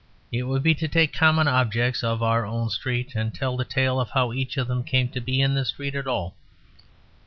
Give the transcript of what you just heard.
It would be to take common objects of our own street and tell the tale of how each of them came to be in the street at all.